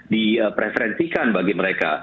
di preferensikan bagi mereka